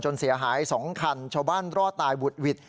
เสียหาย๒คันชาวบ้านรอดตายบุดหวิด